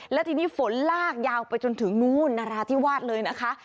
และทีนี้ฝนลากยาวไปจนถึงนู่นนราธิวาสเลยนะคะ